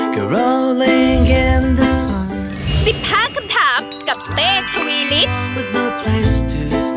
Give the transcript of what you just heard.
๑๕คำถามกับเตทวีริสต์